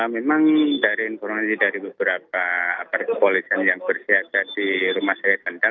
memang dari informasi dari beberapa kepolisian yang bersiaga di rumah sakit rendang